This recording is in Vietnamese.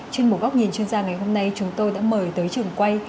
trên một góc nhìn chuyên gia ngày hôm nay chúng tôi đã mời tới trường quay